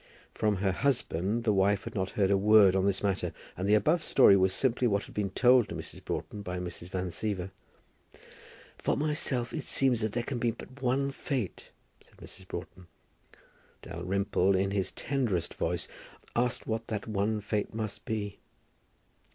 From her husband the wife had not heard a word on this matter, and the above story was simply what had been told to Mrs. Broughton by Mrs. Van Siever. "For myself it seems that there can be but one fate," said Mrs. Broughton. Dalrymple, in his tenderest voice, asked what that one fate must be.